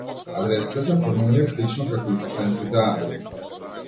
Адресите се формирани слично како и поштенските адреси.